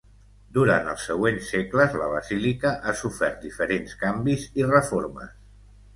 Durant els següents segles la basílica ha sofert diferents canvis i reformes.